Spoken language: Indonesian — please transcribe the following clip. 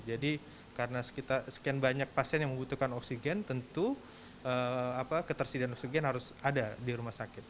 jadi karena sekian banyak pasien yang membutuhkan oksigen tentu ketersediaan oksigen harus ada di rumah sakit